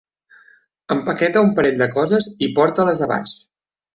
Empaqueta un parell de coses i porta-les a baix.